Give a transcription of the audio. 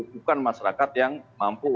bukan masyarakat yang mampu